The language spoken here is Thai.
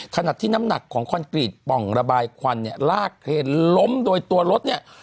ขณะที่น้ำหนักของคอนกรีตป่องระบายควันเนี่ยลากเครนล้มโดยตัวรถเนี่ย